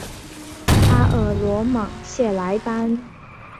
阿尔罗芒谢莱班。